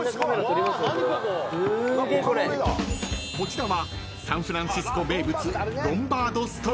［こちらは］